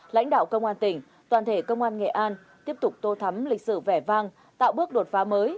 lãnh đạo công an tỉnh toàn thể công an nghệ an tiếp tục tô thắm lịch sử vẻ vang tạo bước đột phá mới